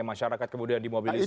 masyarakat kemudian di mobilisasi